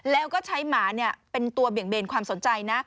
แล้วก็ใช้หมาเป็นตัวเบี่ยงเบนความสนใจนะ